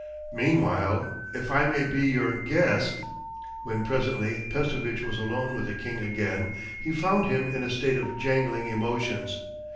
Meanwhile, if I may be your guest....' When presently Pestovitch was alone with the king again, he found him in a state of jangling emotions.